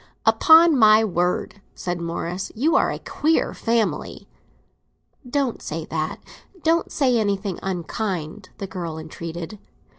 "Upon my word," said Morris, "you are a queer family!" "Don't say that—don't say anything unkind," the girl entreated.